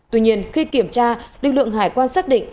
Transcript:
tuy nhiên khi kiểm tra lực lượng hải quan xác định